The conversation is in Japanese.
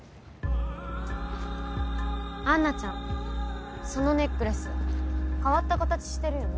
アンナちゃんそのネックレス変わった形してるよね。